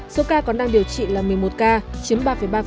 số ca còn đang điều trị là một mươi một ca chiếm ba ba